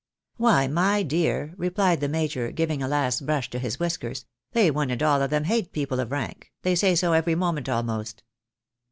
" Why, my dear," replied the major, giving a last brush to his whiskers, " they one and all of them hate people of rank — they say so every moment almost."